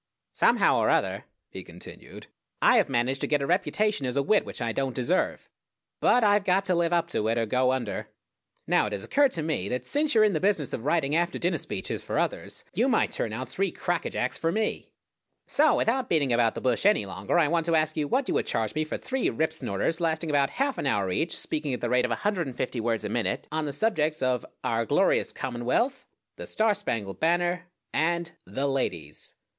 Somehow or other [he continued] I have managed to get a reputation as a wit which I don't deserve; but I've got to live up to it, or go under. Now it has occurred to me that since you are in the business of writing after dinner speeches for others you might turn out three crackajacks for me. [Illustration: "If yo're dealin' in brains, hit ain't likely yo' got enough to gib any away."] So, without beating about the bush any longer, I want to ask you what you would charge me for three ripsnorters lasting about a half an hour each, speaking at the rate of a hundred and fifty words a minute, on the subjects of "Our Glorious Commonwealth," "The Star Spangled Banner," and "The Ladies."